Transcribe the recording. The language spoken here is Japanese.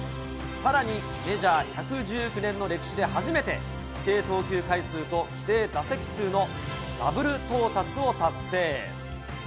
さらに、メジャー１１９年の歴史で初めて、規定投球回数と規定打席数のダブル到達を達成。